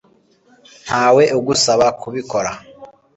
ntawe ugusaba kubikora